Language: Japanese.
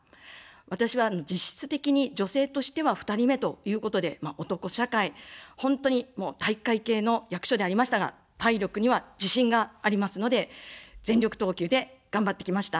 私は実質的に、女性としては２人目ということで、男社会、本当に体育会系の役所でありましたが、体力には自信がありますので、全力投球で頑張ってきました。